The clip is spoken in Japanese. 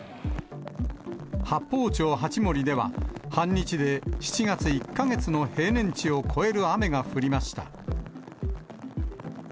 八峰町八森では、半日で７月１か月の平年値を超える雨が降りました。